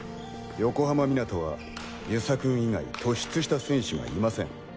横浜湊は遊佐君以外突出した選手がいません。